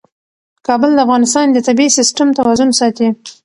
کابل د افغانستان د طبعي سیسټم توازن ساتي.